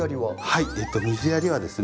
はい水やりはですね